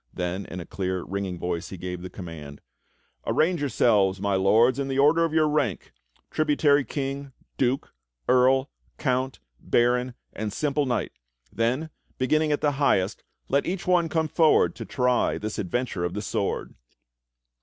Then in a clear, ringing voice he gave the command: "Arrange j^ourselves, my Lords, in the order of your rank — tributary king, duke, earl, count, baron, and simple knight, then be ginning at the highest let each come forward to try this adventure of the sword."